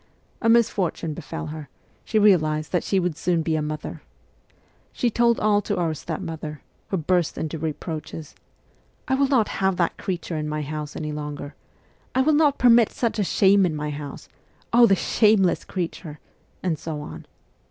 A misfortune befell her : she realized that she would soon be a mother. She told all to our step mother, who burst into reproaches :' I will not have that creature in my house any longer ! I will not permit such a shame in my house ! oh, the shameless creature !' and so on.